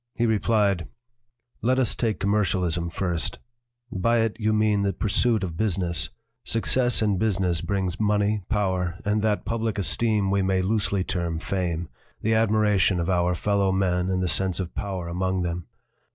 He replied : "Let us take commercialism first: By it you mean the pursuit of business. Success in busi ness brings money, power, and that public esteem we may loosely term fame the admiration of 169 LITERATURE IN THE MAKING our fellow men and the sense of power among them.